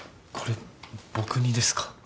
これ僕にですか？